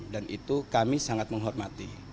dan itu kami sangat menghormati